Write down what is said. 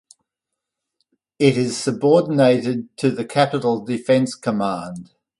It is subordinated to the Capital Defense Command.